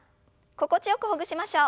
心地よくほぐしましょう。